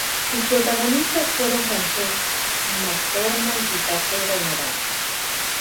Sus protagonistas fueron Frances McDormand y Tate Donovan.